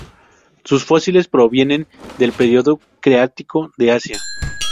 Sus fósiles provienen del período Cretácico de Asia.